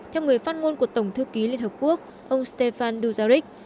theo người phát ngôn của tổng thư ký liên hợp quốc ông stefan duzaric